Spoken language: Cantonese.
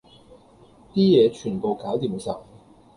啲嘢全部攪掂晒